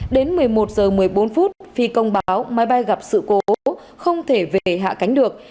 đến một mươi một giờ một mươi bốn phút phi công báo máy bay gặp sự cố không thể về hạ cánh được